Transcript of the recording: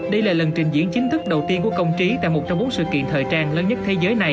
đây là lần trình diễn chính thức đầu tiên của công trí tại một trong bốn sự kiện thời trang lớn nhất thế giới này